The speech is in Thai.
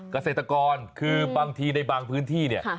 เกษตรกรคือบางทีในบางพื้นที่เนี่ย